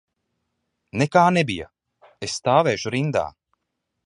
Nekā nebija, es stāvēšu rindā.